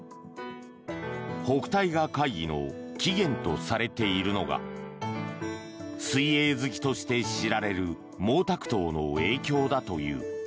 北戴河会議の起源とされているのが水泳好きとして知られる毛沢東の影響だという。